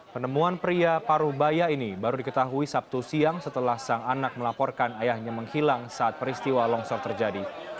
penemuan pria paruh baya ini baru diketahui sabtu siang setelah sang anak melaporkan ayahnya menghilang saat peristiwa longsor terjadi